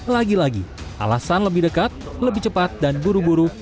lagi lagi alasan lebih dekat lebih cepat dan buru buru